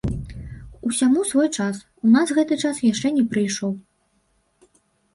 Усяму свой час, у нас гэты час яшчэ не прыйшоў.